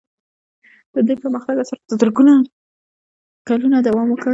د دې پرمختګ اثرات تر زرګونو کلونو دوام وکړ.